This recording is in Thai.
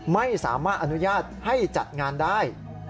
ไม่สามารถอนุญาตให้จัดงานได้